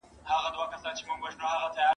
موږ او تاسي هم مرغان یو هم خپلوان یو ..